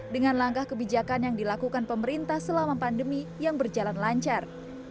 dengan langkah kebijakan yang dilakukan pemerintah selama pandemi yang berjalan lancar